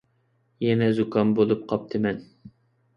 يەنە زۇكام بولۇپ قاپتىمەن.